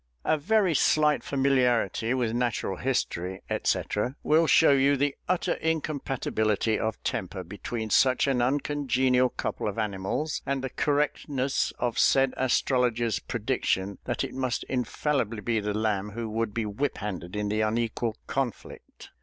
A very slight familiarity with Natural History, &c., will show you the utter incompatibility of temper between such an uncongenial couple of animals, and the correctness of said astrologer's prediction that it must infallibly be the Lamb who would be whiphanded in the unequal conflict.